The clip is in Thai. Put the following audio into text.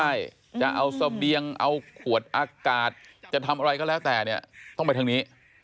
ใช่จะเอาเสบียงเอาขวดอากาศจะทำอะไรก็แล้วแต่เนี่ยต้องไปทางนี้